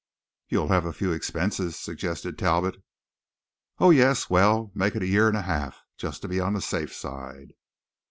"You'll have a few expenses," suggested Talbot. "Oh yes well, make it a year and a half, just to be on the safe side."